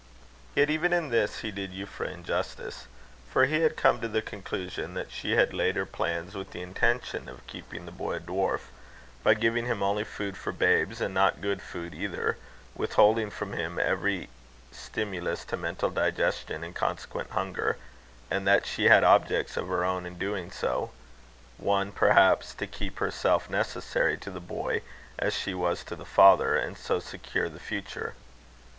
Yet, even in this, he did Euphra injustice; for he had come to the conclusion that she had laid her plans with the intention of keeping the boy a dwarf, by giving him only food for babes, and not good food either, withholding from him every stimulus to mental digestion and consequent hunger; and that she had objects of her own in doing so one perhaps, to keep herself necessary to the boy as she was to the father, and so secure the future.